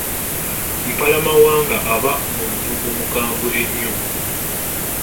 Mpalamawanga aba muntu omukambwe ennyo.